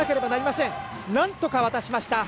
なんとか渡しました。